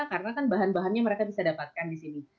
karena kan bahan bahannya mereka bisa dapatkan di sini